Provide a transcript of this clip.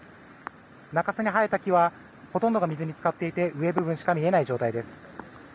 中州に生えた木はほとんどが水につかっていて上部分しか見えない状態です。